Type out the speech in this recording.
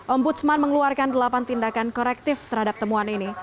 om butsman mengeluarkan delapan tindakan korektif terhadap temuan ini